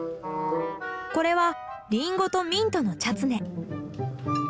これはリンゴとミントのチャツネ。